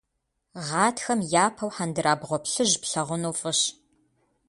Гъатхэм япэу хьэндырабгъуэ плъыжь плъагъуну фӏыщ.